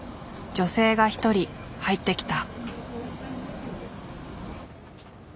女性が一人入ってきた。